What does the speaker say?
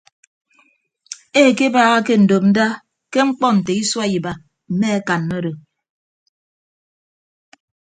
Ekebaaha ke ndopnda ke ñkpọ nte isua iba mme akanna odo.